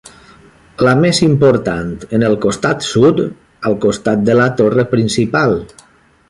La més important en el costat sud al costat de la torre principal.